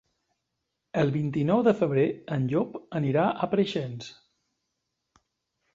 El vint-i-nou de febrer en Llop anirà a Preixens.